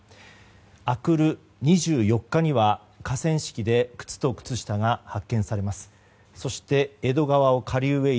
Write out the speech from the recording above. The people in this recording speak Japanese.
あくる２４日には、河川敷で靴と靴下が発見されます。